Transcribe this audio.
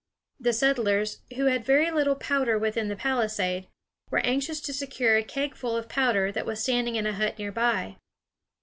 The settlers, who had very little powder within the palisade, were anxious to secure a keg full of powder that was standing in a hut near by.